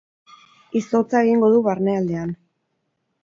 Izotza egingo du barnealdean.